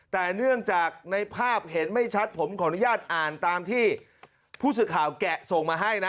แต่เนื่องจากในภาพเห็นไม่ชัดผมขออนุญาตอ่านตามที่ผู้สื่อข่าวแกะส่งมาให้นะ